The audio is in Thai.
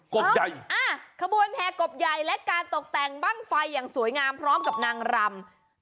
กบใหญ่อ่าขบวนแห่กบใหญ่และการตกแต่งบ้างไฟอย่างสวยงามพร้อมกับนางรำ